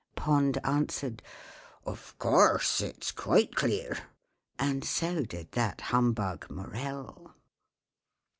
POND answered, "Of course it's quite clear"; And so did that humbug MORELL.